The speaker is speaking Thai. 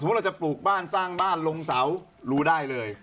เราจะปลูกบ้านสร้างบ้านลงเสารู้ได้เลย